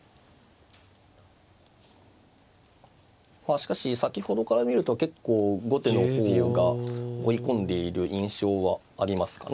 しかし先ほどから見ると結構後手の方が追い込んでいる印象はありますかね。